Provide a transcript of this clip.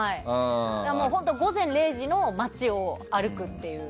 午前０時の街を歩くという。